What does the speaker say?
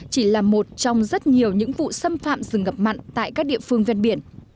chỉ là một trong rất nhiều những vụ xâm phạm rừng ngập mặn tại các địa phương ven biển